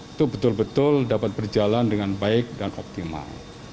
itu betul betul dapat berjalan dengan baik dan optimal